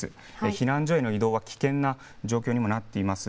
避難所への移動が危険な状況にもなっています。